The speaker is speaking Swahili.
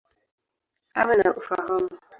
Awe na ufahamu.